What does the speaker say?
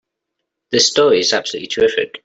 This story is absolutely terrific!